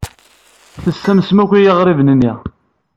Tessamsem akk i yiɣerban-nni.